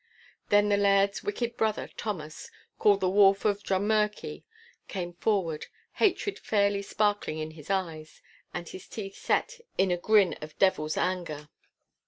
Then the Laird's wicked brother, Thomas, called the Wolf of Drummurchie, came forward, hatred fairly sparkling in his eyes, and his teeth set in a girn of devil's anger.